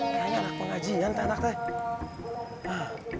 kayaknya anak pengajian tuh anaknya